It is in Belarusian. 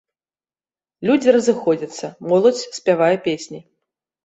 Людзі разыходзяцца, моладзь спявае песні.